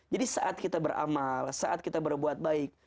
saat kita beramal saat kita berbuat baik